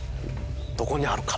どこにあるか。